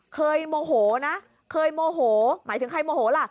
โมโหนะเคยโมโหหมายถึงใครโมโหล่ะ